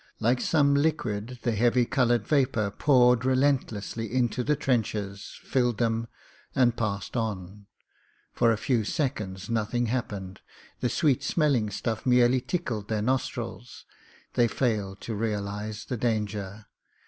Like some liquid the heavy coloured vapour poured relentlessly into the trenches, filled them, and passed on. For a few seconds nothing happened ; the sweet smelling stuff merely tickled their nostrils ; they failed to realise the danger.